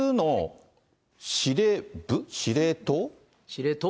司令塔。